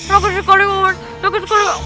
sakit sekali uwan sakit sekali